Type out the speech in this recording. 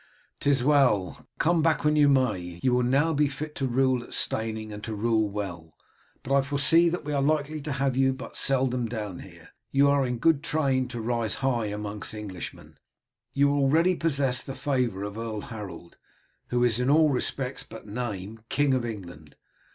"'Tis as well. Come back when you may, you will now be fit to rule at Steyning, and to rule well, but I foresee that we are likely to have you but seldom down here. You are in good train to rise high among Englishmen. You already possess the favour of Earl Harold, who is, in all respects but name, King of England.